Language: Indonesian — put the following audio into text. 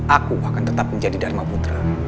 aku akan tetap menjadi dharma putra